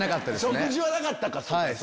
食事はなかったか。